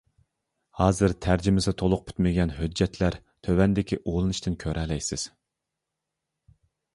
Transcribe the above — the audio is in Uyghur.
ھازىر تەرجىمىسى تولۇق پۈتمىگەن ھۆججەتلەر تۆۋەندىكى ئۇلىنىشتىن كۆرەلەيسىز.